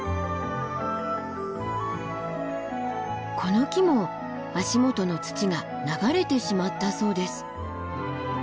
この木も足元の土が流れてしまったそうです。